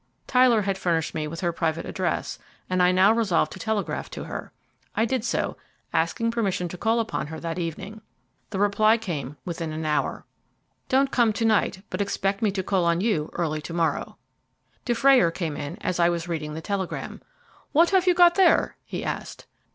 Tyler had furnished me with her private address, and I now resolved to telegraph to her. I did so, asking permission to call upon her that evening. The reply came within an hour. "Don't come to night, but expect me to call on you early to morrow." Dufrayer came in as I was reading the telegram. "What have you got there?" he asked.